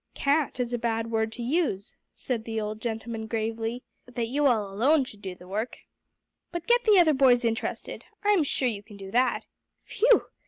"'Can't' is a bad word to use," said the old gentleman gravely, "and I didn't mean that you all alone should do the work. But get the other boys interested. I'm sure you can do that. Phew!